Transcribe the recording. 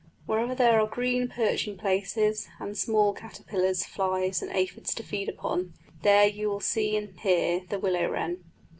Wherever there are green perching places, and small caterpillars, flies and aphides to feed upon, there you will see and hear the willow wren.